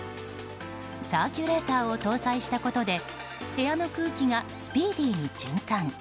サーキュレーターを搭載したことで部屋の空気がスピーディーに循環。